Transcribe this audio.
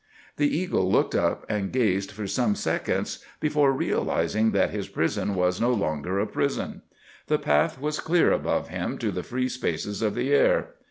The eagle looked up and gazed for some seconds before realizing that his prison was no longer a prison. The path was clear above him to the free spaces of the air.